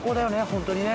本当にね。